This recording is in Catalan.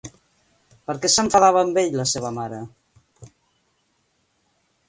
Per què s'enfadava amb ell la seva mare?